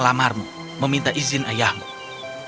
aku akan melakukan apapun untukmu jika kamu tidak mengingatkan ayahmu